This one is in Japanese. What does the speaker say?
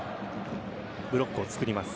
ブロックを作ります。